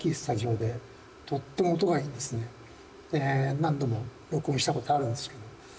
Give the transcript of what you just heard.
何度も録音したことあるんですけど。